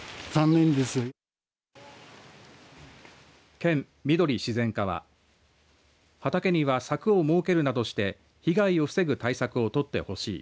県みどり自然課は畑には柵を設けるなどして被害を防ぐ対策を取ってほしい。